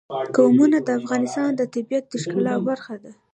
قومونه د افغانستان د طبیعت د ښکلا برخه ده.